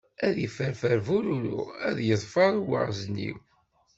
Ad yefferfer bururu ad t-yeḍfer uwaɣzniw.